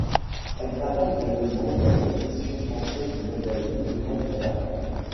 Elle paraît également dans l'édition française du magazine deux mois plus tard.